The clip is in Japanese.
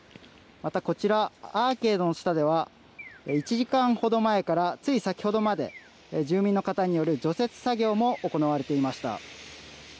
またこちら、アーケードの下では、１時間ほど前からつい先ほどまで、住民の方による除雪作業も行われていました。